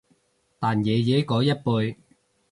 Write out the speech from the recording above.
但爺爺嗰一輩